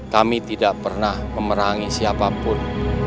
kami tidak pernah memerangi siapapun